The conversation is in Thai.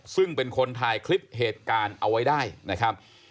ซึ่งเป็นคนถ่ายคลิปเหตุการณ์เอาไว้ได้นะครับ